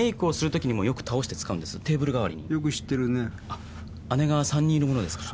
あっ姉が３人いるものですから。